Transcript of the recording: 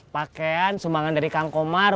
pakaian sumbangan dari kang komar